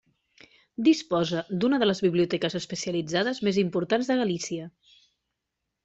Disposa d'una de les biblioteques especialitzades més importants de Galícia.